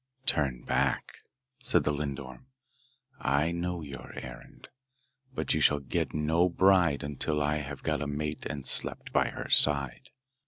'Turn back,' said the lindorm. 'I know your errand, but you shall get no bride until I have got a mate and slept by her side.